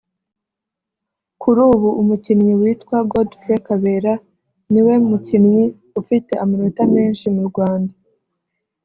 Kuri ubu umukinnyi witwa Godfrey Kabera niwe mukinnyi ufite amanota menshi mu Rwanda